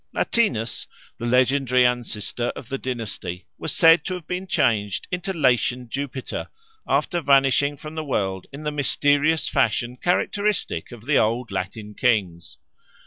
Latinus, the legendary ancestor of the dynasty, was said to have been changed into Latian Jupiter after vanishing from the world in the mysterious fashion characteristic of the old Latin kings.